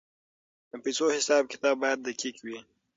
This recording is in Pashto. د پیسو حساب کتاب باید دقیق وي.